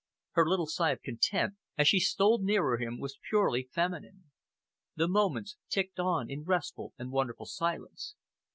Her little sigh of content, as she stole nearer to him, was purely feminine. The moments ticked on in restful and wonderful silence.